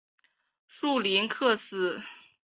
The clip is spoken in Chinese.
绪林克斯。